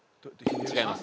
違います。